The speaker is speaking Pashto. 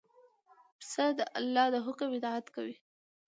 پسه د الله د حکم اطاعت کوي.